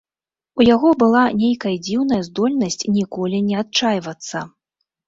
У яго была нейкая дзіўная здольнасць ніколі не адчайвацца.